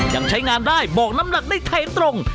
ยังใช้งานได้บอกน้ำหนักในไทยตรง